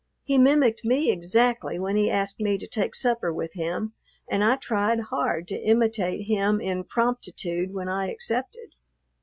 He mimicked me exactly when he asked me to take supper with him, and I tried hard to imitate him in promptitude when I accepted.